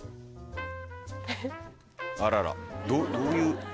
あららどういう？